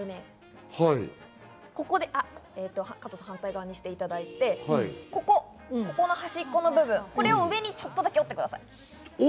加藤さん、反対にしていただいて、この端っこの部分を上にちょっとだけ折ってください。